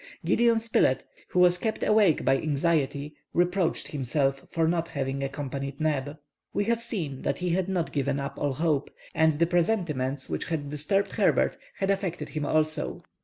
Gideon Spilett, who was kept awake by anxiety, reproached himself for not having accompanied Neb. We have seen that he had not given up all hope, and the presentiments which had disturbed Herbert had affected him also.